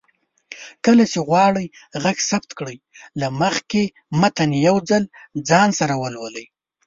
کله چې غواړئ غږ ثبت کړئ، له مخکې متن يو ځل ځان سره ولولئ